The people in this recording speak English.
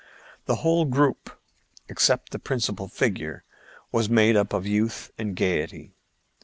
The whole group, except the principal figure, was made up of youth and gayety.